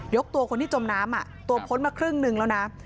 ตัวคนที่จมน้ำตัวพ้นมาครึ่งหนึ่งแล้วนะ